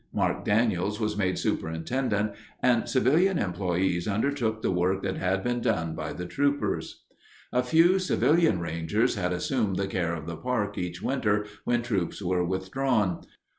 Mark Daniels was made superintendent, and civilian employees undertook the work that had been done by the troopers. A few civilian rangers had assumed the care of the park each winter when troops were withdrawn.